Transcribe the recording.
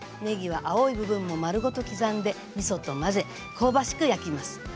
ねぎは青い部分も丸ごと刻んでみそと混ぜ香ばしく焼きます。